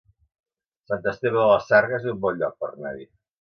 Sant Esteve de la Sarga es un bon lloc per anar-hi